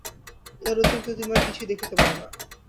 ইহার অতিরিক্ত তুমি আর কিছুই দেখিতে পাও না।